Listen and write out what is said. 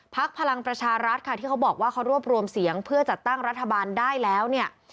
พลังประชารัฐค่ะที่เขาบอกว่าเขารวบรวมเสียงเพื่อจัดตั้งรัฐบาลได้แล้วเนี่ย